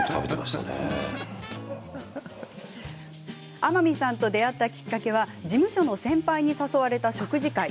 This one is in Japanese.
天海さんと出会ったきっかけは事務所の先輩に誘われた食事会。